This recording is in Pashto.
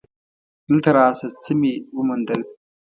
دلته راشه څه مې وموندل.